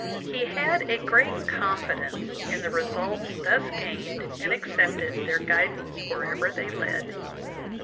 He had a great confidence in the results thus gained and accepted their guidance wherever they led.